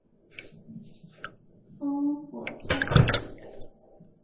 丰博扎尔。